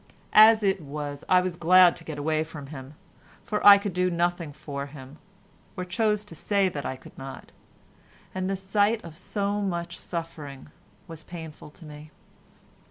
As it was, I was glad to get away from him, for I could do nothing for him, or chose to say that I could not, and the sight of so much suffering was painful to me.